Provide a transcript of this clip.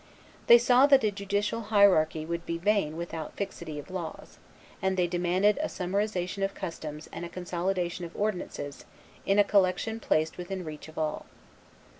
They saw that a judicial hierarchy would be vain without fixity of laws; and they demanded a summarization of customs and a consolidation of ordinances in a collection placed within reach of all.